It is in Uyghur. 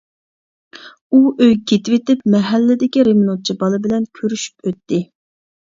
ئۇ ئۆيىگە كېتىۋېتىپ، مەھەللىدىكى رېمونتچى بالا بىلەن كۆرۈشۈپ ئۆتتى.